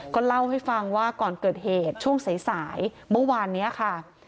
ก็เล่าให้ฟังว่าก่อนเกิดเหตุช่วงสายเมื่อวานนี้ค่ะ